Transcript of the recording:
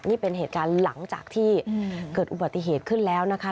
นี่เป็นเหตุการณ์หลังจากที่เกิดอุบัติเหตุขึ้นแล้วนะคะ